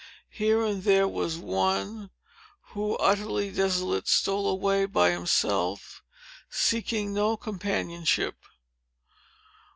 Here and there was one, who, utterly desolate, stole away by himself, seeking no companionship.